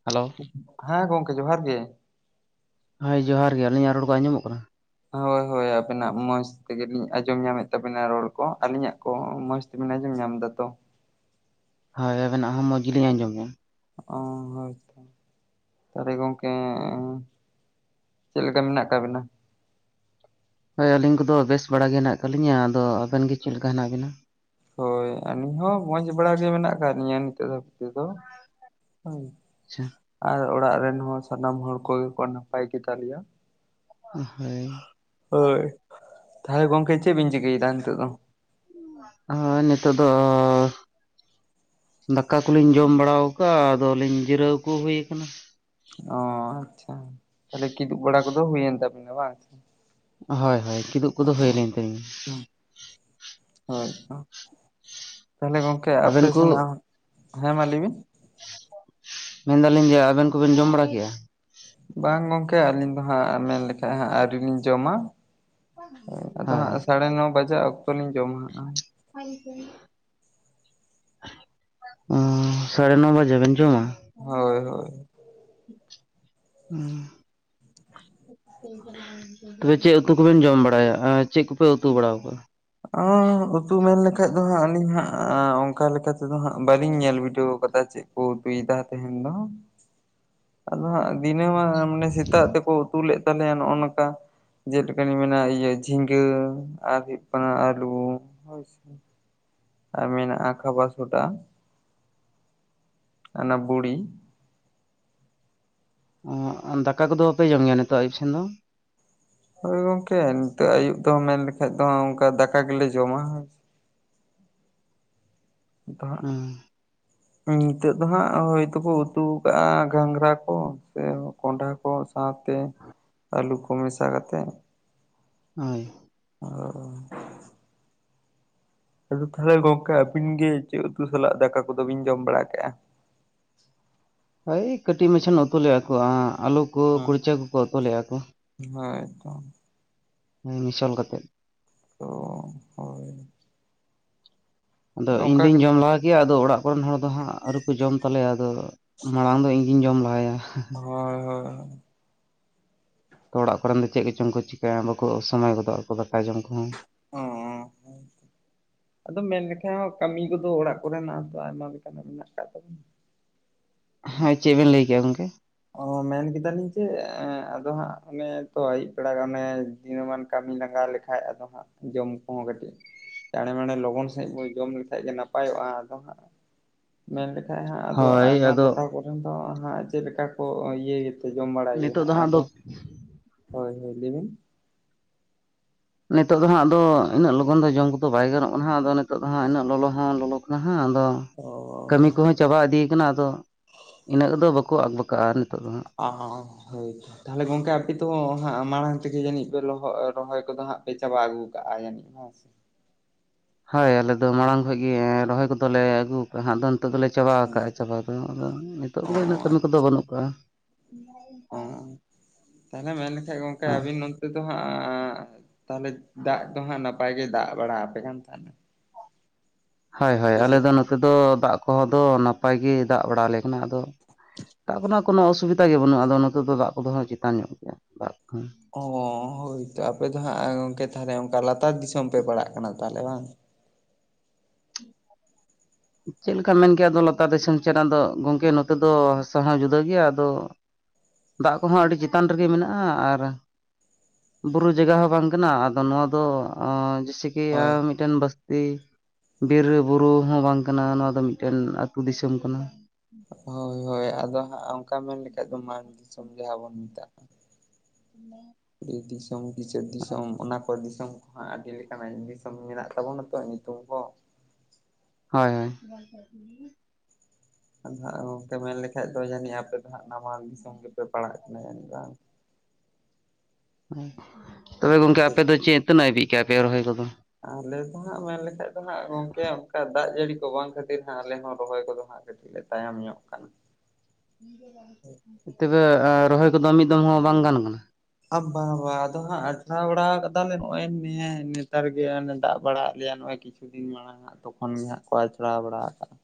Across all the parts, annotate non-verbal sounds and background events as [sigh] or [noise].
Hello ᱦᱮᱸ ᱜᱚᱢᱠᱮ ᱡᱚᱦᱟᱨ ᱜᱮ, ᱦᱳᱭ ᱡᱚᱦᱟᱨᱜ ᱜᱮ ᱟᱹᱞᱤᱧᱟᱜ ᱨᱚᱲ ᱠᱚ ᱟᱸᱡᱚᱢᱚᱜ ᱠᱟᱱᱟ? ᱦᱳᱭ ᱦᱳᱭ ᱟᱵᱤᱱᱟᱜ ᱢᱚᱸᱡᱽ ᱛᱮᱜᱮᱞᱤᱧ ᱟᱸᱡᱚᱢ ᱧᱟᱢᱮᱫ ᱛᱟᱵᱮᱱᱟ ᱨᱚᱲ ᱠᱚ ᱟᱹᱞᱤᱧᱟᱜ ᱠᱚ ᱢᱚᱸᱡᱽ ᱵᱮᱱ ᱟᱸᱡᱚᱢ ᱧᱟᱢ ᱫᱟ ᱛᱚ? ᱦᱳᱭ ᱟᱵᱮᱱᱟᱜ ᱦᱚᱸ ᱢᱚᱸᱡᱽ ᱜᱮᱞᱤᱧ ᱟᱸᱡᱚᱢᱮᱜᱼᱟ᱾ ᱚ ᱦᱳᱭᱛᱚ, ᱛᱟᱦᱚᱞᱮ ᱜᱚᱝᱠᱮ ᱪᱮᱫ ᱞᱮᱠᱟ ᱢᱮᱱᱟᱜ ᱟᱠᱟᱫ ᱵᱮᱱᱟ? ᱦᱳᱭ ᱟᱹᱞᱤᱧ ᱠᱚᱫᱚ ᱵᱮᱥ ᱵᱟᱲᱟ ᱜᱮ ᱦᱮᱱᱟᱜ ᱟᱠᱟᱜ ᱞᱤᱧᱟ ᱟᱫᱚ ᱟᱵᱮᱱ ᱜᱮ ᱪᱮᱜ ᱞᱮᱠᱟ ᱦᱮᱱᱟᱜ ᱵᱮᱱᱟ? ᱦᱳᱭ ᱟᱹᱞᱤ ᱦᱚᱸ ᱢᱚᱡᱽ ᱵᱟᱲᱟ ᱜᱮ ᱢᱮᱱᱟᱜ ᱟᱠᱟᱫ ᱞᱤᱧᱟᱹ ᱱᱤᱛᱚᱜ ᱫᱷᱟᱹᱵᱤᱡ ᱛᱮᱫᱚ ᱦᱳᱭ, ᱟᱪᱪᱷᱟ, ᱟᱨ ᱚᱲᱟᱜ ᱨᱮᱱ ᱦᱚᱸ ᱥᱟᱱᱟᱢ ᱦᱚᱲ ᱠᱚᱜᱮ ᱠᱚ ᱱᱟᱯᱟᱭ ᱜᱮᱛᱟᱞ ᱞᱮᱭᱟ᱾ ᱦᱳᱭ, ᱦᱳᱭ, ᱛᱟᱦᱚᱞᱮ ᱜᱚᱝᱠᱮ ᱪᱮᱫ ᱵᱤᱱ ᱪᱤᱠᱟᱹᱭᱮᱫᱟ ᱱᱤᱛᱚᱜ ᱫᱚ? ᱦᱳᱭ ᱱᱤᱛᱚᱜ ᱫᱚ ᱫᱟᱠᱟ ᱠᱚᱞᱤᱧ ᱡᱚᱢ ᱵᱟᱲᱟ ᱟᱠᱟᱜᱼᱟ ᱟᱫᱚᱞᱤᱧ ᱡᱤᱨᱟᱹᱣ ᱠᱚ ᱦᱩᱭᱩ ᱟᱠᱟᱱᱟ᱾ ᱚ ᱟᱪᱪᱷᱟ ᱛᱟᱦᱞᱮ ᱠᱤᱫᱩᱵ ᱵᱟᱲᱟ ᱠᱚᱫᱚ ᱦᱩᱭᱮᱱ ᱛᱟᱵᱤᱱᱟ ᱵᱟᱝ? ᱦᱳᱭ ᱦᱳᱭ ᱠᱤᱫᱩᱵ ᱠᱚᱫᱚ ᱚ ᱦᱩᱭ ᱮᱱ ᱛᱟᱹᱞᱤᱧᱟ᱾ ᱦᱳᱭ ᱛᱚ, ᱛᱟᱦᱚᱞᱮ ᱜᱚᱢᱠᱮ ᱟᱵᱮᱱ ᱟᱯᱮ ᱠᱚ ᱥᱮᱱᱟᱜ, ᱦᱮᱸ ᱢᱟ ᱞᱟᱹᱭ ᱵᱤᱱ, ᱢᱮᱱᱫᱟᱞᱤᱧ ᱡᱮ ᱟᱵᱮᱱ ᱠᱚᱵᱮᱱ ᱡᱚᱢ ᱵᱟᱲᱟ ᱠᱮᱜᱼᱟ? ᱵᱟᱝ ᱜᱚᱝᱠᱮ ᱟᱹᱞᱤᱧ ᱫᱚ ᱦᱟᱸᱜ ᱢᱮᱱ ᱞᱮᱠᱷᱟᱡ ᱦᱟᱸᱜ ᱟᱹᱣᱨᱤ ᱞᱤᱧ ᱡᱚᱢᱟ᱾ ᱟᱫᱚ ᱦᱳᱭ ᱦᱟᱸᱜ ᱥᱟᱲᱮ ᱱᱚ ᱵᱟᱡᱟᱜ ᱚᱠᱛᱚ ᱞᱤᱧ ᱡᱚᱢᱟ ᱦᱟᱜ᱾ ᱚᱸᱻ ᱥᱟᱲᱮ ᱱᱚ ᱵᱟᱡᱮ ᱵᱮᱱ ᱡᱚᱢᱟ ᱾ ᱦᱳᱭ ᱦᱳᱭ ᱦᱮᱸ ᱛᱚᱵᱮ ᱪᱮᱫ ᱩᱛᱩ ᱠᱚᱵᱮᱱ ᱡᱚᱢ ᱵᱟᱲᱟᱭᱟ ᱟ ᱪᱮᱫ ᱠᱚᱯᱮ ᱩᱛᱩ ᱵᱟᱲᱟᱣ ᱠᱟ-ᱟ? ᱚ ᱩᱛᱩ ᱢᱮᱱ ᱞᱮᱠᱷᱟᱡ ᱫᱚ ᱦᱟᱸᱜ ᱟᱹᱞᱤᱧ ᱦᱟᱸᱜ ᱚᱱᱠᱟ ᱞᱮᱠᱟᱛᱮ ᱛᱮᱫ ᱫᱚ ᱦᱟᱸᱜ ᱵᱟᱹᱞᱤᱧ ᱧᱮᱞ ᱵᱤᱰᱷᱟᱹᱣ ᱟᱠᱟᱫᱟ ᱪᱮᱫ ᱠᱚ ᱩᱛᱩᱭᱮᱫᱟ ᱛᱟᱦᱮᱱ ᱫᱚ ᱾ ᱟᱫᱚ ᱦᱟᱸᱜ ᱫᱤᱱᱟᱹᱢᱟ ᱢᱟᱱᱮ ᱥᱮᱛᱟᱜ ᱛᱮᱠᱚ ᱩᱛᱩ ᱞᱮᱫ ᱛᱟᱞᱮᱭᱟ ᱱᱚᱜᱼᱚ ᱱᱚᱝᱠᱟ ᱡᱮᱞᱮᱠᱟᱱᱤᱧ ᱢᱮᱱᱟ ᱤᱭᱟᱹ ᱡᱷᱤᱸᱜᱟᱹ ᱟᱨ ᱦᱩᱭᱩᱜ ᱠᱟᱱᱟ ᱟᱹᱞᱩ ᱦᱳᱭᱥᱮ᱾ ᱟᱨ ᱢᱮᱱᱟ-ᱟ ᱠᱷᱟᱵᱟᱨ ᱥᱚᱰᱟ ᱚᱱᱟ ᱵᱩᱲᱤ ᱫᱟᱠᱟ ᱠᱚᱫᱚ ᱵᱟᱯᱮ ᱡᱚᱢ ᱜᱮᱭᱟ ᱱᱤᱛᱚᱜ ᱟᱹᱭᱩᱵ ᱥᱮᱱ ᱫᱚ? ᱦᱚᱳᱭ ᱜᱚᱝᱠᱮ ᱱᱤᱛᱚᱜ ᱟᱹᱭᱩᱵ ᱫᱚ ᱢᱮᱱ ᱞᱮᱠᱷᱟᱡ ᱫᱚ ᱚᱱᱠᱟ ᱫᱟᱠᱟ ᱜᱮᱞᱮ ᱡᱚᱢᱟ ᱦᱳ ᱾ ᱫᱟ ᱦᱟᱜ ᱱᱤᱛᱚᱜ ᱫᱚ ᱦᱟᱸᱜ ᱦᱚᱳᱭᱛᱠᱚ ᱩᱛᱩ ᱟᱠᱟᱜᱼᱟ ᱜᱷᱟᱸᱜᱽᱨᱟ ᱠᱚ ᱥᱮ ᱠᱚᱸᱰᱷᱟ ᱠᱚ ᱾ ᱥᱟᱶᱛᱮ ᱟᱹᱞᱩ ᱠᱚ ᱢᱮᱥᱟ ᱠᱟᱛᱮ ᱾ ᱦᱳᱭ ᱚ ᱟᱫᱚ ᱛᱟᱦᱚᱞᱮ ᱜᱚᱝᱠᱮ ᱟᱹᱵᱤᱱ ᱜᱮ ᱪᱮᱫ ᱩᱛᱩ ᱥᱟᱞᱟᱜ ᱫᱟᱠᱟ ᱠᱚᱫᱚ ᱵᱤᱱ ᱡᱚᱢ ᱵᱟᱲᱟ ᱠᱟᱜᱼᱟ? ᱦᱳᱭ ᱠᱟᱹᱴᱤᱡ ᱢᱟᱪᱷᱟᱹᱱ ᱩᱛᱩᱮᱫᱼᱟ ᱠᱚ ᱟᱞᱩ ᱠᱚ ᱠᱩᱲᱪᱟᱹ ᱠᱚᱠᱚ ᱩᱛᱩᱚᱞᱮᱫᱼᱟ ᱠᱚ᱾ ᱦᱳᱭ ᱛᱚ ᱢᱤᱥᱚᱞ ᱠᱟᱛᱮᱫ ᱛ ᱦᱳᱭ ᱟᱫᱚ ᱤᱧ ᱚᱱᱠᱟ ᱫᱧ ᱜᱮ ᱡᱚᱢ ᱞᱟᱦᱟ ᱠᱮᱭᱟ ᱟᱫᱚ ᱚᱲᱟᱜ ᱨᱮᱱ ᱦᱚᱲ ᱫᱚ ᱦᱟᱸᱜ ᱟᱹᱨᱩ ᱠᱚ ᱡᱚᱢ ᱛᱟᱞᱮᱭᱟ ᱟᱫᱚ ᱢᱟᱲᱟᱝ ᱫᱚ ᱤᱧᱜᱤᱧ ᱡᱚᱢ ᱞᱟᱦᱟᱭᱟ᱾ ᱦᱚᱭ ᱦᱚᱭ ᱛᱚ ᱚᱲᱟᱜ ᱠᱚᱨᱮ ᱫᱚ ᱪᱮᱫ ᱠᱚᱪᱚᱝ ᱠᱚ ᱪᱤᱠᱟᱹᱭᱟ ᱵᱟᱠᱚ ᱥᱚᱢᱚᱭ ᱜᱚᱫᱚᱜ ᱟᱠᱚ ᱫᱟᱠᱟ ᱡᱚᱢ ᱠᱚᱦᱚᱸ ᱚ ᱟᱫᱚ ᱢᱮᱱ ᱞᱮᱠᱷᱟ ᱦᱚᱸ ᱠᱟᱹᱢᱤ ᱠᱚᱫᱚ ᱚᱲᱟᱜ ᱠᱚᱨᱮᱱᱟᱜᱚ ᱟᱭᱢᱟ ᱞᱮᱠᱟᱱᱟᱜ ᱢᱮᱱᱟᱜ ᱟᱠᱟᱫ ᱛᱟᱵᱚᱱᱟ ᱦᱮᱸ ᱪᱮᱫ ᱵᱮᱱ ᱞᱟᱹᱭᱠᱼᱟ ᱜᱚᱝᱠᱮ? ᱚ ᱢᱮᱱ ᱠᱮᱫᱟᱞᱤᱧ ᱡᱮ ᱟᱫᱚ ᱦᱟᱸᱜ ᱚᱱᱮ ᱛᱚ ᱟᱹᱭᱩᱵ ᱵᱮᱲᱟ ᱚᱱᱮ ᱫᱤᱤᱱᱢᱟᱱ ᱠᱟᱹᱢᱤ ᱞᱟᱝᱜᱟ ᱞᱮᱠᱟᱟᱱ ᱠᱷᱟᱭ ᱟᱫᱚ ᱦᱟᱸᱜ ᱡᱚᱢ ᱠᱚᱦᱚᱸ ᱠᱟᱹᱴᱤᱡ ᱪᱟᱬᱮ ᱢᱬᱮ ᱞᱚᱜᱚᱱ ᱥᱟᱺᱦᱤᱡ ᱵᱚᱱ ᱡᱚᱢ ᱞᱮᱠᱷᱟᱡ ᱜᱮ ᱱᱟᱯᱟᱭᱚᱜᱼᱟ ᱟᱫᱚ ᱦᱟᱸᱜ ᱢᱮᱱᱞᱠᱷᱟᱡ ᱦᱟᱸᱜ ᱟᱫᱚ ᱦᱳᱭ ᱟᱭᱢᱟ ᱟᱫᱚ ᱴᱚᱴᱷᱟ ᱠᱚᱨᱮᱱ ᱫᱚ ᱦᱟᱸᱜ ᱪᱮᱫᱠᱟ ᱠᱚ ᱤᱭᱟᱹᱭ ᱡᱚᱢ ᱵᱟᱲᱟᱭ ᱜᱮ ᱱᱤᱛᱚᱜ ᱱᱟᱦᱜ ᱫᱚ ᱦᱟᱸᱜ ᱟᱫᱚ ᱦᱳᱭ ᱦᱳᱭ ᱞᱟᱹᱭ ᱵᱤᱱ ᱱᱤᱛᱚᱜ ᱫᱚ ᱦᱟᱸᱜ ᱟᱫᱚ ᱩᱱᱟᱹᱜ ᱞᱚᱜᱚᱱ ᱫᱚ ᱡᱚᱢ ᱠᱚᱫᱚ ᱵᱟᱭ ᱜᱟᱱᱚᱜ ᱠᱟᱱᱟ ᱟᱫᱚ ᱱᱤᱛᱚᱜ ᱫᱚ ᱦᱟᱸᱜ ᱤᱱᱟᱹᱜ ᱞᱚᱞᱚ ᱦᱚᱸ ᱞᱚᱞᱚ ᱦᱟᱸ ᱟᱫᱚ ᱚ ᱠᱟᱹᱢᱤ ᱠᱚᱦᱚᱸ ᱪᱟᱵᱟ ᱤᱫᱤᱭ ᱠᱟᱱᱟ ᱟᱫᱚ ᱤᱱᱟᱹᱜ ᱫᱚ ᱵᱟᱠᱚ ᱟᱠᱵᱟᱠᱟᱜᱼᱟ ᱱᱤᱛᱚᱜ ᱫᱚ ᱦᱟᱸᱜ᱾ [unintelligible] ᱛᱟᱦᱚᱞᱮ ᱜᱚᱝᱠᱮ ᱟᱯᱮ ᱫᱚ ᱦᱟᱸᱜ ᱢᱟᱲᱟᱝ ᱛᱮᱜᱮ ᱡᱟᱹᱱᱤᱡ ᱯᱮ ᱞᱚᱦᱚᱜ ᱨᱚᱦᱚᱭ ᱠᱚᱫᱚ ᱦᱟᱸᱜ ᱯᱮ ᱪᱟᱵᱟ ᱟᱹᱜᱩ ᱠᱟᱜ-ᱟ ᱡᱟᱹᱱᱤᱡ? ᱦᱮᱸ ᱦᱟᱹᱭ ᱟᱞᱮ ᱫᱚ ᱢᱟᱲᱟᱝ ᱠᱷᱚᱡ ᱜᱮ ᱨᱚᱦᱚᱭ ᱠᱚᱫᱚ ᱞᱮ ᱟᱹᱜᱩ ᱠᱟᱜ-ᱟ ᱦᱟᱸᱜ ᱫᱚ ᱱᱤᱛᱚᱜ ᱫᱚᱞᱮ ᱪᱟᱵᱟ ᱦᱩᱸ ᱟᱠᱟᱜ-ᱟ ᱪᱟᱵᱟ ᱾ ᱟ ᱟᱫᱚ ᱱᱤᱛᱚᱜ ᱠᱚᱜᱤ ᱤᱱᱟᱹᱜ ᱠᱟᱹᱢᱤ ᱠᱚᱫᱚ ᱵᱟᱹᱱᱩᱜ ᱟᱠᱟᱜ-ᱟ ᱾ [unintelligible] ᱚ ᱟᱨ ᱚ ᱛᱟᱦᱚᱞᱮ ᱢᱮᱱᱠᱷᱟᱡ ᱜᱚᱝᱠᱮ ᱟᱵᱤᱱ ᱱᱚᱱᱛᱮ ᱫᱚ ᱟᱸᱜ ᱛᱟᱦᱚᱞᱮ ᱫᱟᱜ ᱠᱚ ᱦᱟᱸᱜ ᱱᱟᱯᱟᱭ ᱜᱮ ᱫᱟᱜ ᱵᱟᱲᱟ ᱟᱯᱮ ᱠᱟᱱ ᱛᱟᱦᱮᱱᱟ? ᱦᱚᱭ ᱦᱚᱭ ᱥᱮ ᱟᱞᱮ ᱪᱮᱫ? ᱫᱚ ᱱᱚᱛᱮ ᱫᱚ ᱫᱟᱜ ᱠᱚᱦᱚᱸ ᱫᱚ ᱱᱟᱯᱟᱭ ᱜᱮ ᱫᱟᱜ ᱵᱟᱲᱟ ᱟᱞᱮ ᱠᱟᱱᱟ ᱟᱫᱚ ᱫᱟᱜ ᱠᱚᱨᱮᱱᱟᱜ ᱠᱳᱱᱳ ᱚᱥᱩᱵᱤᱫᱟ ᱜᱮ ᱵᱟᱹᱱᱩᱜᱼᱟ ᱟᱫᱚ ᱱᱚᱛᱮ ᱫᱚ ᱫᱟᱜ ᱠᱚᱫᱚ ᱪᱮᱛᱟᱱ ᱧᱚᱜ ᱜᱮᱭᱟ ᱫᱟᱜ ᱠᱚ ᱚ ᱦᱳᱭ ᱛᱚ ᱟᱯᱮ ᱫᱚ ᱦᱟᱸᱜ ᱜᱚᱝᱠᱮ ᱛᱟᱦᱚᱞᱮ ᱚᱱᱠᱟ ᱞᱟᱛᱟᱨ ᱫᱤᱥᱚᱢ ᱯᱮ ᱯᱟᱲᱟᱜ ᱠᱟᱱᱟ ᱛᱟᱦᱚᱞᱮ ᱵᱟᱝ ᱪᱮᱫ ᱞᱮᱠᱟᱢ ᱢᱮᱱ ᱠᱮᱭᱟ ᱫᱚ ᱞᱟᱛᱟᱨ ᱫᱤᱥᱚᱢ ᱪᱮᱫ ᱟᱫᱚ ᱜᱚᱝᱠᱮ ᱱᱚᱛᱮ ᱫᱚ ᱦᱟᱥᱟ ᱦᱚᱸ ᱡᱩᱫᱟᱹ ᱜᱮᱭᱟ ᱟᱫᱚ ᱫᱟᱜ ᱠᱚᱦᱚᱸ ᱟᱹᱰᱤ ᱪᱮᱛᱟᱱ ᱨᱮᱜᱮ ᱢᱮᱱᱟᱜ-ᱟ ᱟᱨ ᱵᱩᱨᱩ ᱡᱟᱜᱟ ᱦᱚᱸ ᱵᱟᱝ ᱠᱟᱱᱟ ᱟᱫᱚ ᱱᱚᱣᱟ ᱫᱚ ᱟᱸ ᱡᱟᱭᱥᱤ ᱤᱭᱟ ᱦᱳᱭ ᱢᱤᱫᱴᱮᱱ ᱵᱟᱹᱥᱛᱤ ᱵᱤᱨ ᱵᱩᱨᱩ ᱦᱚᱸ ᱵᱟᱝ ᱠᱟᱱᱟ ᱱᱚᱣᱟ ᱫᱚ ᱢᱤᱫᱴᱮᱱ ᱟᱹᱛᱩ ᱫᱤᱥᱚᱢ ᱠᱟᱱᱟ ᱦᱚᱭ ᱦᱚᱜ ᱦᱳᱭ ᱟᱫᱚ ᱦᱟᱸᱜ ᱚᱱᱠᱟ ᱢᱮᱱ ᱞᱮᱠᱷᱟᱡ ᱫᱚ ᱢᱟᱱ ᱫᱤᱥᱚᱢ ᱡᱟᱦᱟᱸ ᱵᱚᱱ ᱢᱮᱛᱟᱜ-ᱟ ᱫᱤᱥᱚᱢ ᱜᱤ ᱪᱮᱫ ᱫᱤᱥᱚᱢ ᱚᱱᱟ ᱯᱟᱹ ᱫᱤᱥᱚᱢ ᱠᱚ ᱦᱟᱸᱜ ᱟᱹᱰᱤ ᱞᱮᱠᱟᱱᱟᱜ ᱫᱤᱥᱚᱢ ᱢᱮᱱᱟᱜ ᱛᱟᱵᱚᱱᱟ ᱛᱚ ᱧᱩᱛᱩᱢ ᱦᱚ ᱦᱚᱭ ᱦᱚᱭ ᱟᱫᱚ ᱦᱟᱜ ᱜᱚᱝᱠᱮ ᱢᱮᱱ ᱞᱮᱠᱷᱟᱡ ᱫᱚ ᱡᱟᱹᱱᱤᱡ ᱟᱯᱮ ᱫᱚ ᱦᱟᱜ ᱱᱟᱢᱟᱞ ᱫᱤᱥᱚᱢ ᱜᱮᱯᱮ ᱯᱟᱲᱟᱜ ᱠᱟᱱᱟ ᱡᱟᱹᱱᱤᱡ ᱵᱟᱝ? ᱛᱚᱵᱮ ᱜᱚᱝᱠᱮ ᱟᱯᱮ ᱫᱚ ᱪᱮᱫ ᱛᱤᱱᱟᱹᱜ ᱦᱟ. ᱵᱤᱡ ᱠᱟᱜ-ᱟ ᱯᱮ ᱨᱚᱦᱚᱭ ᱠᱚᱫᱚ ᱟᱞᱮ ᱫᱚ ᱦᱟᱸᱜ ᱢᱮᱱ ᱞᱮᱠᱷᱟᱡ ᱫᱚ ᱦᱟᱸᱜ ᱜᱚᱝᱠᱮ ᱚᱱᱠᱟ ᱫᱟᱜ ᱡᱟᱹᱲᱤ ᱠᱚ ᱵᱟᱝ ᱠᱷᱟᱹᱛᱤᱨ ᱦᱟᱸᱜ ᱟᱞᱮ ᱦᱚᱸ ᱨᱚᱦᱚᱭ ᱠᱚᱫᱚ ᱦᱟᱸᱜ ᱠᱟᱹᱴᱤᱡ ᱞᱮ ᱛᱟᱭᱚᱢ ᱧᱚᱜ ᱠᱟᱱᱟ ᱛᱚᱵᱮ ᱨᱚᱦᱚᱭ ᱠᱚᱫᱚ ᱢᱤᱫ ᱫᱚᱢ ᱦᱚᱸ ᱵᱟᱝ ᱜᱟᱱ ᱠᱟᱱᱟ ᱟᱵᱟᱵᱟ ᱟᱫᱚ ᱦᱟᱸᱜ ᱟᱪᱲᱟ ᱵᱟᱲᱟ ᱠᱟᱫᱟᱞᱮ ᱱᱚᱜ-ᱚᱭ ᱱᱮ ᱱᱮᱛᱟᱨ ᱜᱮ ᱦᱟᱱᱮ ᱫᱟᱜ ᱵᱟᱲᱟ ᱟᱫ ᱞᱮᱭᱟ ᱱᱚᱜ-ᱚᱭ ᱠᱤ ᱠᱤᱪᱷᱩ ᱫᱤᱱ ᱢᱟᱲᱟᱝ ᱦᱟᱸᱜ ᱛᱚᱠᱷᱚᱱ ᱜᱮ ᱦᱟᱸᱜ ᱠᱚ ᱟᱪᱲᱟ ᱵᱟᱲᱟ ᱟᱠᱟᱜ-ᱟ᱾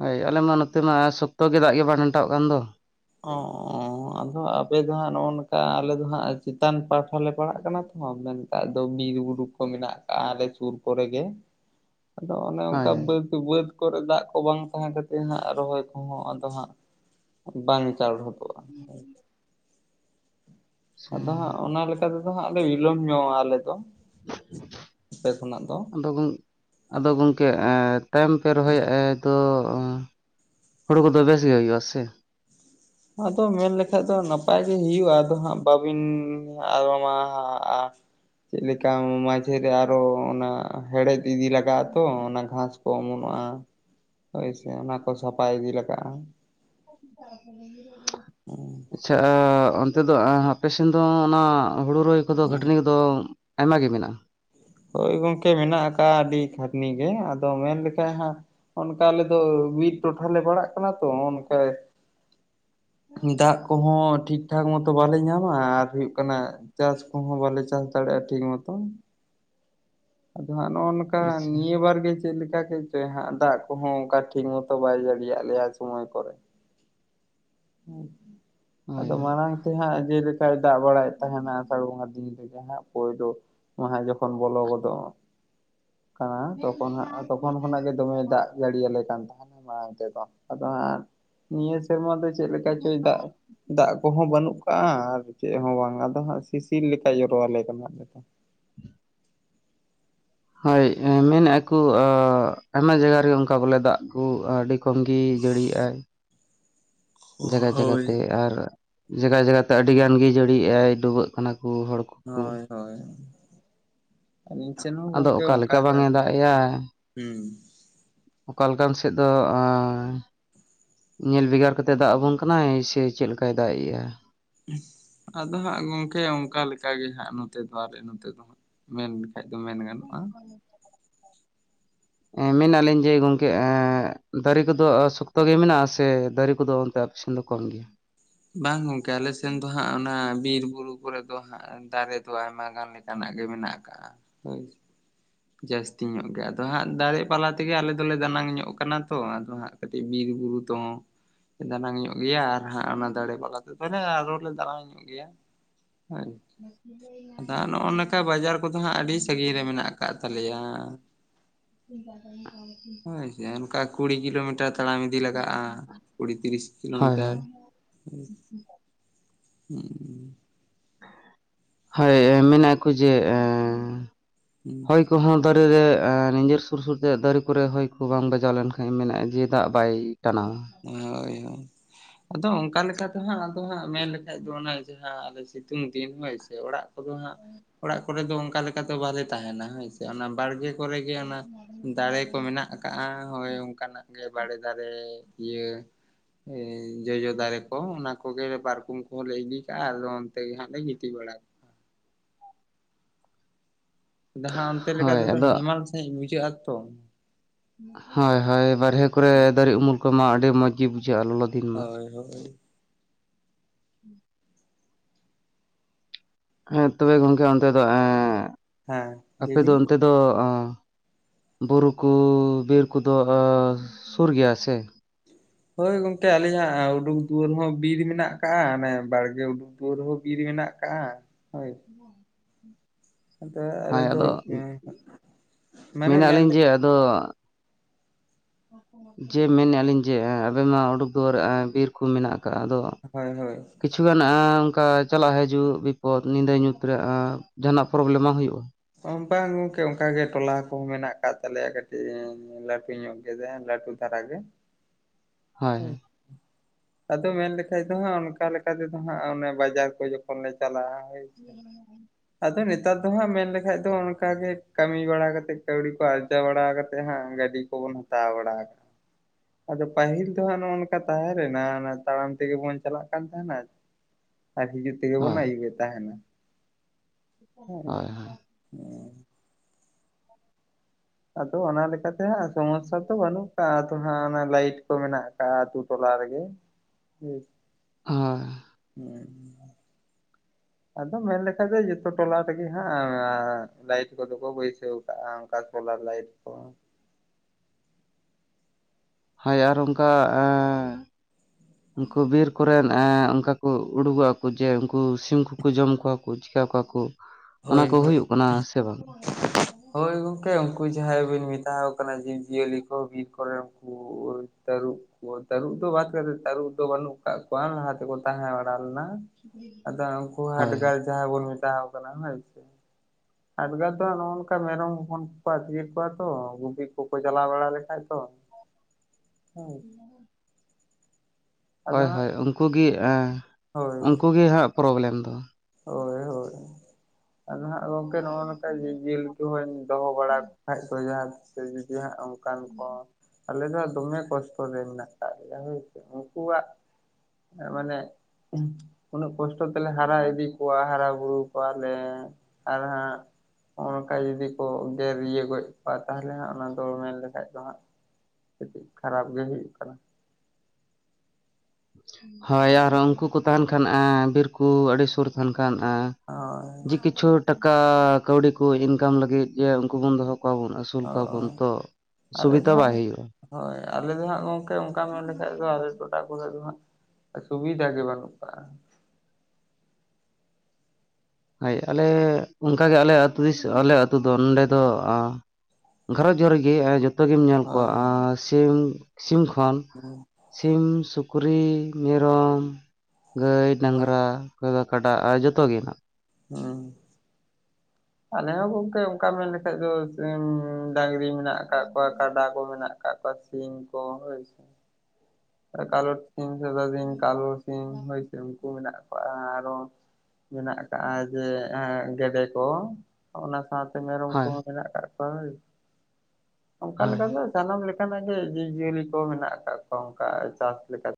ᱦᱳᱭ ᱟᱞᱮ ᱢᱟ ᱱᱚᱛᱮ ᱢᱟ ᱥᱚᱠᱛᱚ ᱜᱮ ᱫᱟᱜ ᱜᱮ ᱵᱟᱝ ᱟᱱᱴᱟᱣᱚᱜ ᱠᱟᱱ ᱫᱚ ᱚ ᱟᱫᱚ ᱟᱯᱮ ᱫᱚ ᱦᱟᱸᱜ ᱱᱚᱜ-ᱚ ᱱᱚᱝᱠᱟ ᱟᱞᱮ ᱫᱚ ᱦᱟᱸᱜ ᱪᱮᱛᱟᱱ ᱯᱟᱦᱴᱟ ᱞᱮ ᱯᱟᱲᱟᱜ ᱠᱟᱱᱟ ᱛᱚ ᱢᱮᱱ ᱠᱟᱜ ᱫᱚ ᱵᱤᱨ ᱵᱩᱨᱩ ᱠᱚ ᱢᱮᱱᱟᱜ ᱠᱟᱜ-ᱟ ᱟᱞᱮ ᱥᱩᱨ ᱠᱚᱨᱮ ᱜᱮ ᱟᱫᱚ ᱚᱱᱮ ᱚᱱᱠᱟ ᱦᱳᱭ ᱵᱟᱹᱫᱽ ᱵᱟᱹᱫᱽ ᱠᱚᱨᱮ ᱫᱟᱜ ᱠᱚ ᱵᱟᱝ ᱛᱟᱦᱮᱸ ᱠᱟᱛᱮ ᱦᱟᱸᱜ ᱨᱚᱦᱚᱭ ᱠᱚᱦᱚᱸ ᱟᱫᱚ ᱦᱟᱸᱜ ᱵᱟᱝ ᱪᱟᱲ ᱦᱚᱫᱚᱜᱼᱟ᱾ [unintelligible] ᱟᱪᱪᱷᱟ ᱟᱫᱚ ᱦᱟᱸᱜ ᱚᱱᱟ ᱞᱮᱠᱟ ᱛᱮᱫᱚ ᱦᱟᱸᱜ ᱞᱮ ᱵᱤᱞᱚᱢ ᱧᱚᱜ-ᱟ ᱟᱞᱮ ᱫᱚ [unintelligible] ᱟᱯᱮ ᱠᱷᱚᱱᱟᱜ ᱫᱚ ᱟᱫᱚ ᱜᱚᱝ ᱟᱫᱚ ᱜᱚᱝᱠᱮ ᱮᱸ ᱛᱟᱭᱚᱢ ᱯᱮ ᱨᱚᱦᱚᱭ ᱮᱜ ᱫᱚ ᱦᱩᱲᱩ ᱠᱚᱫᱚ ᱵᱮᱥ ᱜᱮ ᱦᱩᱭᱩᱜ-ᱟ ᱥᱮ ᱟᱫᱚ ᱢᱮᱱ ᱞᱮᱠᱷᱟᱡ ᱫᱚ ᱱᱟᱯᱟᱭ ᱜᱮ ᱦᱩᱭᱩᱜ-ᱟ ᱟᱫᱚ ᱦᱟᱸᱜ ᱵᱟᱹᱵᱤᱱ ᱟᱫᱚ ᱢᱟᱦᱟᱸᱜ ᱪᱮᱫ ᱞᱮᱠᱟᱢ ᱢᱟᱡᱷᱮ ᱨᱮ ᱟᱨᱚ ᱚᱱᱟ ᱦᱮᱲᱦᱮᱫ ᱤᱫᱤ ᱞᱟᱜᱟᱜ-ᱟ ᱛᱚ ᱚᱱᱟ ᱜᱷᱟᱥ ᱠᱚ ᱚᱢᱚᱱᱚᱜ-ᱟ ᱦᱳᱭ ᱥᱮ ᱚᱱᱟ ᱠᱚ ᱥᱟᱯᱷᱟ ᱤᱫᱤ ᱞᱟᱜᱟᱜ-ᱟ ᱦᱩᱸ ᱟᱪᱪᱷᱟ ᱟ ᱚᱱ ᱛᱮᱫᱚ ᱟᱸ ᱟᱯᱮ ᱥᱮᱱ ᱫᱚ ᱚᱱᱟ ᱦᱩᱲᱩ ᱨᱚᱦᱚᱭ ᱠᱚᱫᱚ ᱠᱷᱟᱹᱴᱱᱤ ᱠᱚᱫᱚ ᱟᱭᱢᱟ ᱜᱮ ᱢᱮᱱᱟᱜ-ᱟ ᱦᱳᱭ ᱜᱚᱝᱠᱮ ᱢᱮᱱᱟᱜ ᱟᱠᱟᱜ-ᱟ ᱟᱹᱰᱤ ᱠᱷᱟᱴᱱᱤ ᱜᱮ ᱟᱫᱚ ᱢᱮᱱ ᱞᱮᱠᱷᱟᱡ ᱦᱟᱸᱜ ᱚᱱᱠᱟ ᱟᱞᱮ ᱫᱚ ᱢᱤᱫ ᱴᱚᱴᱷᱟ ᱞᱮ ᱯᱟᱲᱟᱜ ᱠᱟᱱᱟ ᱛᱚ ᱚᱱᱠᱟ ᱫᱟᱜ ᱠᱚᱦᱚᱸ ᱴᱷᱤᱠ ᱴᱷᱟᱠ ᱢᱚᱛᱚ ᱵᱟᱞᱮ ᱧᱟᱢᱟ ᱟᱨ ᱦᱩᱭᱩᱜ ᱠᱟᱱᱟ ᱪᱟᱥ ᱠᱚᱦᱚᱸ ᱵᱟᱞᱮ ᱪᱟᱥ ᱫᱟᱲᱮᱭᱟᱜ-ᱟ ᱴᱷᱤᱠ ᱢᱚᱛᱚ ᱟᱫᱚ ᱦᱟᱸᱜ ᱱᱚᱜ-ᱚ ᱱᱚᱠᱟ ᱟᱪᱪᱷᱟ ᱱᱤᱭᱟᱹ ᱵᱟᱨ ᱜᱮ ᱪᱮᱫ ᱞᱮᱠᱟ ᱠᱮᱫ ᱪᱚᱭ ᱦᱟᱸᱜ ᱫᱟᱜ ᱠᱚᱦᱚᱸ ᱚᱱᱠᱟ ᱴᱷᱤᱠ ᱢᱚᱛᱚ ᱵᱟᱭ ᱡᱟᱹᱲᱤᱭᱟᱜ ᱞᱮᱭᱟ ᱥᱚᱢᱚᱭ ᱠᱚᱨᱮ [unintelligible] ᱦᱳᱭ ᱟᱫᱚ ᱦᱳᱭ ᱢᱟᱲᱟᱝ ᱛᱮ ᱦᱟᱸᱜ ᱡᱮᱞᱮᱠᱟᱭ ᱫᱟᱜ ᱵᱟᱲᱟᱭᱮᱫ ᱛᱟᱦᱮᱱᱟ ᱟᱥᱟᱲ ᱵᱚᱸᱜᱟ ᱫᱤᱱ ᱨᱮᱜᱮ ᱦᱟᱸᱜ ᱯᱳᱭᱞᱳ ᱚᱸᱦᱟᱜ ᱡᱚᱠᱷᱚᱱ ᱵᱚᱞᱚ ᱜᱚᱫᱚᱜ ᱠᱟᱱᱟ ᱛᱚᱠᱷᱚᱱ ᱦᱟᱸᱜ ᱛᱚᱠᱷᱚᱱ ᱠᱷᱚᱱᱟᱜ ᱜᱮ ᱫᱚᱢᱮ ᱫᱟᱜ ᱾ ᱫᱟᱜ ᱡᱟᱹᱲᱤᱭᱟᱞᱮ ᱠᱟᱱ ᱛᱟᱦᱮᱱᱟ ᱢᱟᱲᱟᱝ ᱛᱮᱫᱚ ᱟᱫᱚ ᱦᱟᱸᱜ ᱱᱤᱭᱟᱹ ᱥᱮᱨᱢᱟ ᱫᱚ ᱪᱮᱫ ᱞᱮᱠᱟ ᱪᱚᱭᱮ ᱫᱟᱜ ᱫᱟᱜ ᱠᱚᱦᱚᱸ ᱵᱟᱹᱱᱩᱜ ᱠᱟᱜᱼᱟ ᱟᱨ ᱪᱮᱫ ᱦᱚᱸ ᱵᱟᱝ ᱟᱫᱚ ᱦᱟᱸᱜ ᱥᱤᱥᱤᱨ ᱞᱮᱠᱟᱭ ᱡᱚᱨᱚᱣᱟᱞᱮ ᱠᱟᱱᱟ ᱟᱞᱮ ᱫᱚ ᱾ [inaudible] ᱦᱳᱭ ᱢᱮᱱᱮᱫᱼᱟ ᱠᱚ ᱟᱭᱢᱟ ᱡᱟᱭᱜᱟ ᱨᱮᱜᱮ ᱚᱱᱠᱟ ᱵᱚᱞᱮ ᱫᱟᱜ ᱠᱚ ᱟᱹᱰᱤ ᱠᱚᱢ ᱜᱤᱭ ᱡᱟᱹᱲᱤᱭᱮᱜᱼᱟᱭ ᱾ [inaudible] ᱡᱟᱭᱜᱟ ᱦᱳᱭ ᱡᱟᱭᱜᱟᱛᱮ ᱟᱨ ᱡᱟᱭᱜᱟ ᱡᱟᱭᱜᱟᱛᱮ ᱟᱹᱰᱤᱜᱟᱱ ᱜᱮ ᱡᱟᱹᱲᱤᱭᱮᱜ ᱟᱭ ᱰᱩᱵᱟᱹᱜ ᱠᱟᱱᱟ ᱠᱚ ᱦᱚᱲ ᱠᱚ ᱾ ᱦᱳᱭ ᱦᱳᱭ ᱤᱧ ᱴᱷᱮᱱ ᱦᱚᱸ ᱟᱫᱚ ᱜᱚᱝᱠᱮ ᱚᱠᱟ ᱚᱱᱠᱟ ᱞᱮᱠᱟ ᱜᱮ ᱵᱟᱝ ᱮ ᱟᱹᱵᱤᱱ ᱫᱟᱜ [unintelligible] ᱦᱮᱸ ᱚᱠᱟᱱ ᱚᱠᱟᱱ ᱥᱮᱫ ᱫᱚ ᱟ ᱧᱮᱞ ᱵᱷᱮᱜᱟᱨ ᱠᱟᱛᱮ ᱫᱟᱜ ᱟᱵᱚᱱ ᱠᱟᱱᱟᱭ ᱥᱮ ᱪᱮᱫ ᱞᱮᱠᱟᱭ ᱫᱟᱜ ᱮᱜᱼᱟ ᱾ ᱟᱫᱚ ᱦᱟᱸᱜ ᱜᱚᱝᱠᱮ ᱚᱱᱠᱟ ᱞᱮᱠᱟ ᱜᱮ ᱦᱟᱸᱜ ᱱᱚᱛᱮ ᱫᱚ ᱟᱞᱮ ᱱᱚᱛᱮ ᱫᱚ ᱦᱟᱸᱜ ᱢᱮᱱ ᱵᱟᱠᱷᱟᱡ ᱫᱚ ᱢᱮᱱ ᱜᱟᱱᱚᱜᱼᱟ ᱾ ᱢᱮᱱᱮᱜᱼᱟᱞᱤᱧ ᱡᱮ ᱜᱚᱝᱠᱮ ᱫᱟᱨᱮ ᱠᱚᱫᱚ ᱥᱚᱠᱛᱚ ᱜᱮ ᱢᱮᱱᱟᱜᱼᱟ᱾ ᱥᱮ ᱫᱟᱨᱮ ᱠᱚᱫᱚ ᱚᱱᱛᱮ ᱥᱮᱱ ᱫᱚ ᱠᱚᱢ ᱜᱮᱭᱟ᱾ ᱵᱟᱝ ᱜᱚᱝᱠᱮ ᱟᱞᱮ ᱥᱮᱱ ᱫᱚ ᱦᱟᱸᱜ ᱚᱱᱟ ᱵᱤᱨ ᱵᱩᱨᱩ ᱠᱚᱨᱮ ᱫᱚ ᱦᱟᱸᱜ ᱫᱟᱨᱮ ᱫᱚ ᱟᱭᱢᱟ ᱜᱟᱱ ᱞᱮᱠᱟᱱᱟᱜ ᱜᱮ ᱢᱮᱱᱟᱜ ᱟᱠᱟᱫ ᱾ ᱦᱳᱭ ᱡᱟᱹᱥᱛᱤ ᱧᱚᱜ ᱜᱮ ᱟᱫᱚ ᱦᱟᱸᱜ ᱫᱟᱨᱮ ᱯᱟᱞᱟᱛ [unintelligible] ᱛᱮᱜᱮ ᱟᱞᱮ ᱫᱚᱞᱮ ᱫᱟᱱᱟᱝ ᱧᱚᱜ ᱠᱟᱱᱟ ᱛᱚ ᱟᱫᱚ ᱦᱟᱸᱜ ᱠᱟᱹᱴᱤᱡ ᱵᱤᱨ ᱵᱩᱨᱩ ᱛᱮᱦᱚᱸ, ᱫᱟᱱᱟᱝ ᱧᱚᱜ ᱜᱮᱭᱟ ᱟᱨ ᱦᱟᱸᱜ ᱚᱱᱟ ᱫᱟᱨᱮ ᱯᱟᱞᱟᱛᱮ ᱛᱚ ᱟᱨᱦᱚᱸ ᱞᱮ ᱫᱟᱱᱟᱝ ᱧᱚᱜ ᱜᱮᱭᱟ ᱾ ᱦᱳᱭ ᱟᱫᱚ ᱱᱚᱜᱼᱚ ᱱᱚᱝᱠᱟ ᱵᱟᱡᱟᱨ ᱠᱚᱫᱚ ᱦᱟᱸᱜ ᱟᱹᱰᱤ ᱥᱟᱺᱜᱤᱧ ᱨᱮ ᱢᱮᱱᱟᱜ ᱟᱠᱟᱫ ᱾ ᱠᱟᱜ [unintelligible] ᱛᱟᱞᱮᱭᱟ ᱠ [unintelligible] ᱦᱳᱭᱥ ᱚᱱᱠᱟ ᱠᱩᱲᱤ ᱠᱤᱞᱳᱢᱤᱴᱟᱨ ᱛᱟᱲᱟᱢ ᱤᱫᱤ ᱞᱟᱜᱟᱜᱼᱟ, ᱠᱩᱲᱤ ᱛᱤᱨᱤᱥ ᱦᱳᱭ ᱠᱤᱞᱳᱢᱤᱴᱟᱨ ᱦᱩᱸ ᱦᱩᱸ ᱦᱳᱭ ᱢᱮᱱ ᱟᱠᱚ ᱡᱮ ᱚᱻ ᱦᱩᱸ ᱦᱳᱭ ᱠᱚᱦᱚᱸ ᱫᱟᱨᱮ ᱨᱮ ᱱᱤᱡᱮᱨ ᱥᱩᱨ ᱥᱩᱨᱛᱮ ᱫᱟᱨᱮ ᱠᱚᱨᱮ ᱦᱚᱭ ᱠᱚ ᱵᱟᱝ ᱵᱟᱡᱟᱣ ᱞᱮᱱᱠᱷᱟᱡ ᱢᱮᱱᱮᱫᱼᱟ ᱡᱮ ᱫᱟᱜ ᱵᱟᱭ ᱴᱟᱲᱟᱣᱟ ᱦᱳᱭ ᱦᱳᱭ ᱟᱫᱚ ᱚᱱᱠᱟ ᱞᱮᱠᱟᱛᱮ ᱦᱟᱸᱜ ᱟᱫᱚ ᱦᱟᱸᱜ ᱢᱮᱱ ᱞᱮᱠᱷᱟᱡ ᱫᱚ ᱚᱱᱟ ᱡᱟᱦᱟᱸ ᱟᱞᱮ ᱥᱤᱛᱩᱝ ᱫᱤᱱ ᱦᱳᱭ ᱥᱮ ᱚᱲᱟᱜ ᱟᱫᱚ ᱦᱟᱸᱜ ᱚᱲᱟᱜ ᱠᱚᱨᱮ ᱫᱚ ᱚᱱᱠᱟ ᱞᱮᱠᱟᱛᱮ ᱵᱟᱞᱮ ᱛᱟᱦᱮᱱᱟ ᱦᱳᱭ ᱥᱮ ᱚᱱᱟ ᱵᱟᱲᱜᱮ ᱠᱚᱨᱮ ᱜᱮ ᱚᱱᱟ ᱫᱟᱨᱮ ᱠᱚ ᱢᱮᱱᱟᱜ ᱟᱠᱟᱟᱜᱼᱟ ᱦᱳᱭ ᱚᱱᱠᱟᱱᱟᱜ ᱜᱮ ᱵᱟᱲᱮ ᱫᱟᱨᱮ ᱤᱭᱟᱹ ᱡᱚᱡᱚ ᱫᱟᱨᱮ ᱠᱚ ᱚᱱᱟ ᱠᱚᱜᱮ ᱯᱟᱨᱠᱚᱢ ᱠᱚᱦᱚᱸ ᱞᱮ ᱤᱫᱤ ᱠᱟᱜᱼᱟ ᱟᱫᱚ ᱚᱱᱛᱮ ᱜᱮ ᱦᱟᱸᱜ ᱞᱮ ᱜᱤᱛᱤᱡ ᱵᱟᱲᱟ ᱠᱟᱜᱼᱟ ᱾ ᱡᱟᱦᱟᱸ ᱚᱱᱛᱮ ᱞᱮᱠᱟ ᱦᱳᱭ ᱛᱮᱫᱚ ᱟᱫᱚ ᱦᱮᱢᱟᱞ ᱥᱟᱺᱦᱤᱡ ᱵᱩᱡᱷᱟᱹᱜᱼᱟ ᱛᱚ ᱾ ᱦᱳᱭ ᱦᱳᱭ ᱵᱟᱨᱦᱮ ᱠᱚᱨᱮ ᱫᱟᱨᱮ ᱩᱢᱩᱞ ᱠᱚᱢᱟ ᱟᱹᱰᱤ ᱢᱚᱡᱽ ᱜᱮ ᱵᱩᱡᱷᱟᱹᱜᱼᱟ ᱞᱚ [unintelligible] ᱦᱳᱭ ᱦᱳᱭ ᱦᱮᱸ ᱦᱮᱸ ᱛᱚᱵᱮ ᱜᱚᱝᱠᱮ ᱚᱱᱛᱮ ᱫᱚ ᱮ ᱦᱮᱸ ᱞᱟᱹᱭ ᱟᱯᱮ ᱫᱚ ᱵᱤᱱ ᱚᱱᱛᱮ ᱫᱚ ᱵᱩᱨᱩ ᱠᱚ ᱵᱤᱨ ᱠᱚᱫᱚ ᱥᱩᱨ ᱜᱮᱭᱟ ᱥᱮ ᱦᱳᱭ ᱜᱚᱝᱠᱮ ᱟᱹᱞᱤᱧᱟᱜ ᱩᱰᱩᱠ ᱫᱩᱣᱟᱹᱨ ᱦᱚᱸ ᱵᱤᱨ ᱢᱮᱱᱟᱜ ᱠᱟᱫ-ᱟ ᱚᱱᱮ ᱵᱟᱲᱜᱮ ᱩᱰᱩᱠ ᱵᱩᱨᱩ ᱵᱤᱨ ᱢᱮᱱᱟᱜ ᱟᱠᱟᱜᱼᱟ ᱦᱳᱭ ᱵ [unintelligible] ᱟᱫᱚ ᱟᱞᱮ ᱦᱳᱭ ᱫᱚ ᱟᱫᱚ ᱢᱟᱱᱮ ᱢᱮᱱᱟᱜ ᱢᱮᱱ ᱞᱤᱧ ᱡᱮ ᱟᱫᱚ ᱡᱮ ᱢᱮᱱᱮᱜᱼᱟ ᱞᱤᱧ ᱡᱮ ᱟᱸᱵᱮ ᱢᱟ ᱩᱰᱩᱠ ᱫᱩᱣᱟᱹᱨ ᱵᱤᱨ ᱠᱚ ᱢᱮᱱᱟᱜ ᱟᱠᱟᱫ ᱟᱫᱚ ᱦᱳᱭ ᱦᱳᱭ ᱠᱤᱪᱷᱩ ᱜᱟᱱ ᱚᱱᱠᱟ ᱪᱟᱞᱟᱜ ᱦᱤᱡᱩᱜ ᱵᱤᱯᱚᱫ ᱧᱤᱫᱟᱹ ᱧᱩᱛ ᱨᱮ ᱡᱟᱦᱟᱱᱟᱜ ᱯᱨᱚᱵᱞᱮᱢ ᱵᱟᱝ ᱦᱩᱭᱩᱜᱼᱟ? ᱵᱟᱝ ᱜᱚᱝᱠᱮ ᱚᱱᱠᱟ ᱜᱮ ᱴᱚᱞᱟ ᱠᱚᱦᱚᱸ ᱢᱮᱱᱟᱜ ᱟᱠᱟᱫ ᱛᱟᱞᱮᱭᱟ ᱠᱟᱹᱴᱤᱡ ᱞᱟᱹᱴᱩ ᱧᱚᱜ ᱜᱮᱫᱟ ᱞᱟᱹᱴᱩ ᱫᱷᱟᱨᱟ ᱜᱮ ᱾ ᱦᱳᱭ ᱦᱮᱸ ᱦᱳᱭ᱾ ᱟᱫᱚ ᱢᱮᱱᱞᱮᱠᱷᱟᱡ ᱫᱚ ᱦᱟᱸᱜ ᱚᱱᱠᱟ ᱞᱮᱠᱟᱛᱮᱫᱚ ᱦᱟᱸᱜ ᱚᱱᱮ ᱵᱟᱡᱟᱨ ᱠᱚ ᱡᱚᱠᱷᱚᱱ ᱞᱮ ᱪᱟᱞᱟᱜᱼᱟ᱾ ᱦᱳᱭ [inaudible] ᱟᱫᱚ ᱱᱮᱛᱟᱨ ᱫᱚ ᱦᱟᱸᱜ ᱢᱮᱱᱞᱠᱷᱟᱡ ᱫᱚ ᱚᱱᱠᱟᱜ ᱜᱮ ᱠᱟᱹᱢᱤ ᱵᱟᱲᱟ ᱠᱟᱛᱮᱫ ᱠᱟᱹᱣᱰᱤ ᱠᱚ ᱟᱨᱡᱟᱣ ᱵᱟᱲᱟ ᱠᱟᱛᱮᱫ ᱦᱟᱸᱜ ᱜᱟᱹᱰᱤ ᱠᱚᱵᱚᱱ ᱦᱟᱛᱟᱣ ᱵᱟᱲᱟ ᱠᱟᱜᱼᱟ᱾ ᱟᱫᱚ ᱯᱟᱹᱦᱤᱞ ᱫᱚ ᱦᱜ ᱱᱚᱜᱼᱚ ᱱᱚᱝᱠᱟ ᱛᱟᱦᱮᱸ ᱨᱮ ᱱᱟᱱᱟ ᱛᱟᱲᱟᱢ ᱛᱮᱜᱮ ᱵᱚᱱ ᱪᱟᱞᱟᱜ ᱠᱟᱱ ᱛᱟᱦᱮᱱᱟ᱾ ᱟᱨ ᱦᱤᱡᱩᱜ ᱛᱮᱜᱮ ᱵᱚᱱ ᱦᱳᱭ ᱟᱹᱭᱩᱵᱮᱛ ᱛᱟᱦᱮᱱᱟ ᱦᱮᱸ᱾ ᱦᱳᱭ ᱦᱳᱭ ᱟᱫᱚ ᱚᱱᱟ ᱞᱮᱠᱟᱛᱮ ᱦᱟᱸᱜ ᱥᱚᱢᱚᱥᱥᱟ ᱫᱚ ᱵᱟᱹᱱᱩᱜ ᱠᱟᱫᱟ᱾ ᱟᱫᱚ ᱦᱟᱸᱜ ᱚᱱᱟ ᱞᱟᱭᱤᱴ ᱠᱚ ᱢᱮᱱᱟᱜ ᱦᱮᱸ ᱟᱛᱩ ᱴᱚᱞᱟ ᱨᱮᱜᱮ ᱦᱮᱸ ᱦᱳᱭ᱾ [inaudible] ᱟᱫᱚ ᱢᱮᱱᱞᱠᱷᱟᱡ ᱫᱚ ᱡᱚᱛᱚ ᱴᱚᱞᱟ ᱨᱮᱜᱮ ᱦᱟᱸᱜ ᱞᱟᱭᱤ ᱟᱠᱚ ᱫᱚ ᱵᱚᱹᱭᱥᱟᱹᱣ ᱠᱟᱜ ᱚᱱᱠᱟ ᱥᱚᱞᱟᱨ ᱞᱟᱭᱤᱴ ᱠᱚ᱾ ᱦᱳᱭ ᱟᱨ ᱚᱱᱠᱟ ᱮᱸᱻ ᱩᱱᱠᱩ ᱵᱤᱨ ᱠᱚᱨᱮᱱ ᱮᱸᱻ ᱚᱱᱠᱟ ᱠᱚ ᱩᱰᱩᱠᱚᱜᱼᱟ ᱠᱚ ᱠᱩ ᱡᱮ ᱩᱱᱠᱩ ᱥᱤᱢ ᱠᱚᱠᱚ ᱡᱚᱢ ᱠᱚᱣᱟ ᱠᱚ ᱪᱤᱠᱟ ᱠᱚᱣᱟ ᱠᱚ ᱚᱱᱟ ᱦᱳᱭ ᱠᱚ ᱦᱳᱭ ᱦᱩᱭᱩᱜ ᱠᱟᱱᱟ ᱥᱮ ᱵᱟᱝ? ᱦᱳᱭ ᱜᱚᱝᱠᱮ ᱩᱱᱠᱩ ᱡᱟᱦᱟᱸᱭ ᱵᱤᱱ ᱢᱮᱛᱟ ᱠᱚ ᱠᱟᱱᱟ ᱡᱤᱵᱽᱡᱤᱭᱟᱹᱞᱤ ᱠᱚ ᱵᱤᱨ ᱠᱚᱨᱮ ᱩᱱᱠᱩ ᱛᱟᱹᱨᱩᱵ ᱚ ᱛᱟᱹᱨᱩᱵ ᱫᱚ ᱵᱟᱫ ᱠᱟᱛᱮ ᱛᱟᱹᱨᱩᱵ ᱫᱚ ᱵᱟᱹᱱᱩᱜ ᱠᱟᱜ ᱠᱚᱣᱟ ᱞᱟᱦᱟ ᱛᱮᱠᱚ ᱛᱟᱦᱮᱸ ᱵᱟᱲᱟ ᱞᱮᱱᱟ᱾ ᱟᱫᱚ ᱩᱱᱠᱩ ᱦᱳᱭ ᱦᱟᱴᱜᱟᱨ ᱡᱟᱦᱟᱸ ᱵᱚᱱ ᱢᱮᱛᱟᱟᱣ ᱠᱟᱱᱟ ᱦᱳᱭ ᱥᱮ᱾ ᱦᱟᱴᱜᱟᱨ ᱫᱚ ᱱᱚᱜᱼ ᱱᱚᱝᱠᱟ ᱢᱮᱨᱚᱢ ᱦᱚᱯᱚᱱ ᱠᱚᱠᱚ ᱟᱹᱛᱠᱤᱨ ᱠᱚᱣᱟ ᱛᱚ, ᱜᱩᱯᱤ ᱠᱚᱠᱚ ᱪᱟᱞᱟᱣ ᱵᱟᱲᱟ ᱞᱮᱠᱷᱟᱡ ᱛᱚ ᱦᱮᱸ᱾ [inaudible] [inaudible] ᱟᱫᱚ ᱦᱳᱭ ᱦᱟᱸᱜ ᱦᱳᱭ ᱩᱱᱠᱩᱜ ᱜᱤ ᱮᱸ ᱦᱳᱭ ᱩᱱᱠ ᱜᱮ ᱦᱟᱸᱜ ᱯᱨᱚᱵᱞᱮᱢ ᱫᱚ᱾ ᱦᱳᱭ ᱦᱳᱭ ᱟᱫᱚ ᱱᱟᱦᱟᱜ ᱜᱚᱝᱠᱮ ᱱᱚᱜᱼᱚ ᱱᱚᱝᱠᱟ ᱡᱤᱵᱽ ᱡᱤᱭᱟᱹ ᱠᱚᱦᱚᱧ ᱫᱚᱦᱚ ᱵᱟᱲᱟ [unintelligible] ᱠᱷᱟᱡ ᱠᱚ ᱡᱟᱸᱦᱟᱡ ᱥᱮ ᱡᱩᱫᱤ ᱦᱟᱸᱜ ᱚᱱᱠᱟᱱ ᱠᱚ, ᱟᱞᱮ ᱫᱚ ᱱᱟᱸᱜ ᱫᱚᱢᱮ ᱠᱚᱥᱴᱚ ᱞᱮ ᱢᱮᱱᱟᱜ ᱠᱟᱜ ᱞᱮᱭᱟ ᱦᱳᱭ ᱥᱮ ᱩᱱᱠᱩᱣᱟᱜ [unintelligible] ᱢᱟᱱᱮ ᱩᱱᱟᱹᱜ ᱠᱚᱥᱴᱚ ᱛᱮᱞᱮ ᱦᱟᱨᱟ ᱤᱫᱤ ᱠᱚᱣᱟ ᱦᱟᱨᱟ ᱵᱩᱨᱩ ᱠᱚᱣᱟ ᱞᱮ ᱟᱨ ᱦᱟᱸᱜ ᱱᱚᱜ ᱱᱚᱝᱠᱟ ᱡᱩᱫᱤ ᱠᱚ ᱜᱮᱨ ᱤᱭᱟᱹ ᱜᱚᱡ ᱠᱚᱣᱟ ᱛᱟᱦᱚᱞᱮ ᱦᱟᱸᱜ ᱚᱱᱟ ᱫᱚ ᱢᱮᱱ ᱞᱮᱠᱷᱟᱡ ᱫᱚ ᱦᱟᱸᱜ ᱠᱟᱹᱴᱤᱡ ᱠᱷᱟᱨᱟᱯ ᱜᱮ ᱦᱩᱭᱩᱜ ᱠᱟᱱᱟᱠ᱾ ᱦᱳᱭ ᱟᱨᱚᱸ ᱩᱱᱠᱩ ᱠᱚ ᱛᱟᱦᱮᱱ ᱠᱷᱟᱱ ᱵᱤᱨᱠᱩ ᱟᱹᱰᱤ ᱥᱩᱨ ᱛᱟᱸᱦᱮᱱ ᱠᱷᱟᱱ ᱡᱮ ᱠᱤᱪᱷᱩ ᱴᱟᱠᱟ ᱠᱟᱹᱣᱰᱤ ᱠᱚ ᱤᱱᱠᱟᱢ ᱞᱟᱹᱜᱤᱫ ᱡᱮ ᱩᱱᱠᱩ ᱵᱚᱱ ᱫᱚᱦᱚ ᱠᱚᱣᱟᱵᱚᱱ ᱟᱹᱥᱩᱞ ᱟᱹᱥᱩᱞ ᱠᱚ ᱦᱳᱭ ᱦᱳᱭ ᱵᱚᱱᱛᱚ ᱟᱞᱮ ᱫᱚ ᱥᱩᱵᱤᱫᱟ ᱵᱟᱭ ᱦᱟᱸᱜ ᱦᱩᱭᱩᱜᱼᱟ᱾ ᱦᱳᱭ ᱟᱞᱮ ᱫᱚ ᱦᱟᱸᱜ ᱜᱚᱢᱠᱮ ᱚᱱᱠᱟ ᱢᱮᱱ ᱞᱮᱠᱷᱟᱡ ᱫᱚ ᱟᱞᱮ ᱜᱚᱰᱟ ᱠᱚᱨᱮ ᱫᱚ ᱦᱟᱸᱜ ᱥᱩᱵᱤᱫᱟ ᱜᱮ ᱵᱟᱹᱱᱩᱜ ᱠᱟᱜᱼᱟ᱾ ᱦᱳᱭ ᱟᱞᱮ ᱚᱱᱠᱟᱜᱮ ᱟᱞᱮ ᱫᱤᱥ ᱟᱞᱮ ᱟᱹᱛᱩ ᱫᱚ ᱱᱚᱸᱰᱮ ᱫᱚ ᱜᱷᱟᱨᱚᱸᱧᱡᱽ ᱡᱳᱨ ᱨᱮᱜᱮ ᱟᱨ ᱡᱚᱛᱚ ᱜᱮᱢ ᱧᱮᱞ ᱦᱳᱭ ᱠᱚᱣᱟ ᱥᱤᱢ, ᱥᱤᱢ ᱠᱷᱚᱱ [unintelligible] ᱥᱤᱢ ᱥᱩᱠᱨᱤ ᱢᱮᱨᱚᱢ ᱜᱟᱹᱭ ᱦᱳᱭ ᱰᱟᱝᱨᱟ ᱚᱠᱚᱭ ᱫᱚ ᱠᱟᱴᱟᱜ ᱟᱨ ᱡᱚᱛᱚᱜ ᱜᱮ ᱦᱮᱱᱟᱜ [unintelligible] ᱟᱞᱮ ᱦᱚᱸ ᱜᱚᱝᱠᱮ ᱚᱱᱠᱟ ᱢᱮᱱᱞᱠᱷᱟᱡ ᱫᱚ ᱥᱤᱢ ᱰᱟᱝᱨᱤ ᱢᱮᱱᱟᱜ ᱟᱠᱟᱫ ᱠᱚᱣᱟ ᱠᱟᱰᱟ ᱠᱚ ᱢᱮᱱᱟᱜ ᱠᱟᱫ ᱠᱚᱣᱟ ᱥᱤᱢ ᱠᱚ ᱦᱳᱭᱥᱮ ᱠᱞᱳ ᱥᱤᱱ ᱥᱫᱟ ᱫᱤᱱ ᱠᱟᱞᱳ ᱥᱤᱢ ᱦᱳᱭ ᱥᱮ ᱩᱱᱠᱩ ᱢᱮᱱᱟᱜ ᱟᱨᱚ ᱢᱮᱱᱟᱜ ᱠᱟᱜᱼᱟ ᱡᱮ ᱮᱸ ᱜᱮᱰᱮ ᱠᱚ ᱚᱱᱟ ᱥᱟᱶᱛᱮ ᱢᱮᱨᱚᱢ ᱦᱳᱭ ᱠᱚᱦᱚᱸ ᱢᱮᱱᱟᱜ ᱠᱟᱜ ᱠᱚᱣᱟ ᱾ ᱚᱱᱠᱟ ᱦᱳᱭ ᱞᱮᱠᱟ ᱫᱚ ᱥᱟᱱᱟᱢ ᱞᱮᱠᱟᱱᱟᱜ ᱜᱮ ᱡᱤᱵᱽᱼᱡᱤᱭᱟᱹᱞᱤ ᱠᱚ ᱢᱮᱱᱟᱜ ᱟᱠᱟᱫ ᱠᱚᱣᱟ ᱚᱱᱠᱟ ᱪᱟᱥ ᱞᱮᱠᱟᱛᱮ᱾